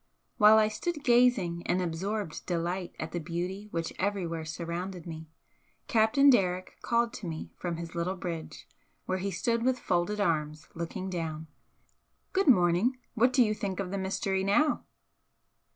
While I stood gazing in absorbed delight at the beauty which everywhere surrounded me, Captain Derrick called to me from his little bridge, where he stood with folded arms, looking down. "Good morning! What do you think of the mystery now?"